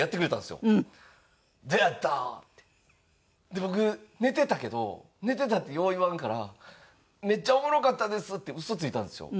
で僕寝てたけど寝てたってよう言わんから「めっちゃおもろかったです」って嘘ついたんですよ。